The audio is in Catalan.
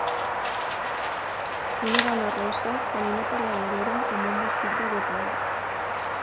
una dona rossa camina per la vorera amb un vestit de guepard.